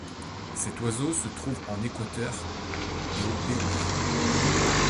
Cet oiseau se trouve en Équateur et au Pérou.